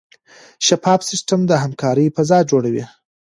شفاف سیستم د همکارۍ فضا جوړوي.